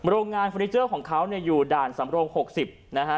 โรงงานเฟอร์นิเจอร์ของเขาเนี่ยอยู่ด่านสำโรง๖๐นะฮะ